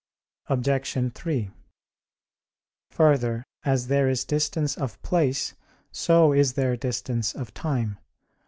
Obj. 3: Further, as there is distance of place, so is there distance of time.